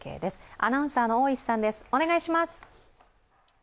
アナウンサーの大石さんです。